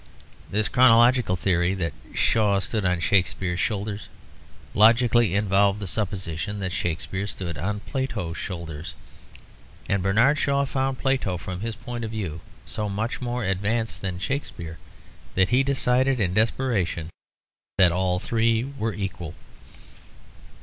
This chronological theory that Shaw stood on Shakespeare's shoulders logically involved the supposition that Shakespeare stood on Plato's shoulders. And Bernard Shaw found Plato from his point of view so much more advanced than Shakespeare that he decided in desperation that all three were equal.